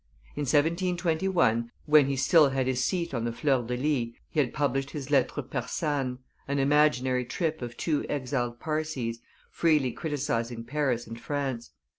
In 1721, when he still had his seat on the fleurs de lis, he had published his Lettres persanes, an imaginary trip of two exiled Parsees, freely criticising Paris and France.